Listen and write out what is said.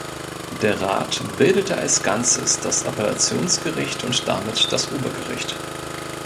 Der Rat bildete als Ganzes das Appellationsgericht und damit das Obergericht.